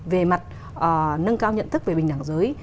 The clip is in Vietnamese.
về mặt nâng cao nhận thức về bình đẳng giới